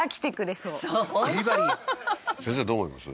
先生どう思います？